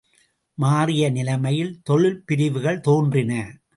மாறிய நிலைமையில், தொழில் பிரிவுகள் தோன்றின.